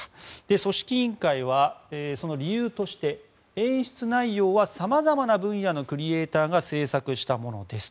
組織委員会はその理由として演出内容はさまざまな分野のクリエーターが制作したものです。